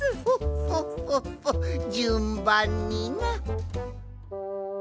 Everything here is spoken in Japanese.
フォッフォッフォッじゅんばんにな。